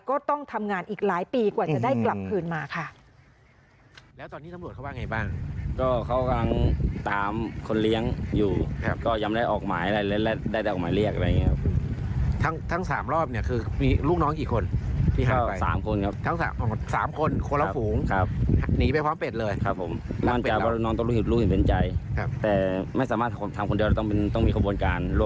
ก็ต้องทำงานอีกหลายปีกว่าจะได้กลับคืนมาค่ะ